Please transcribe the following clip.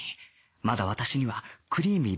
まだ私にはクリーミー